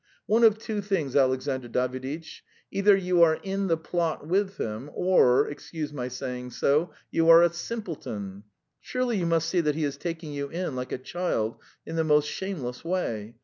"One of two things, Alexandr Daviditch: either you are in the plot with him, or, excuse my saying so, you are a simpleton. Surely you must see that he is taking you in like a child in the most shameless way?